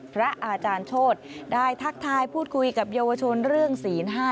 พระอาจารย์โชธได้ทักทายพูดคุยกับเยาวชนเรื่องศีล๕